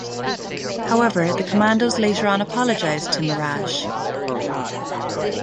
However, the commandos later on apologized to Meeraj.